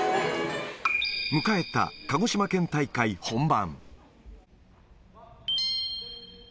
迎えた鹿児島県大会本番。